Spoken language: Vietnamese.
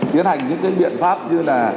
tiến hành những cái biện pháp như là